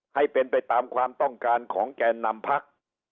ให้เป็นไปตามความต้องการของแก่นำพัก